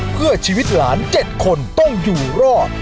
เพื่อชีวิตหลาน๗คนต้องอยู่รอด